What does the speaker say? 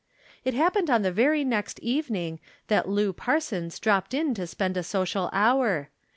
It happened on the very next evening that Lou Parsons dropped in to spend a social hour.